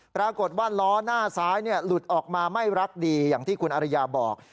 ปรากฏว่าล้อหน้าซ้ายหลุดออกมาไม่รักดีอย่างที่คุณอริยาบอก